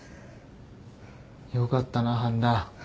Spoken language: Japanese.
よかったな半田。